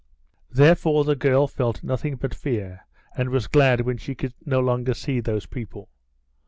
Therefore the girl felt nothing but fear, and was glad when she could no longer see those people.